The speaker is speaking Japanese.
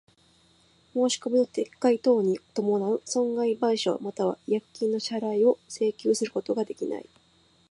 申込みの撤回等に伴う損害賠償又は違約金の支払を請求することができない。